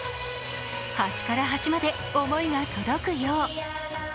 端から端まで思いが届くよう。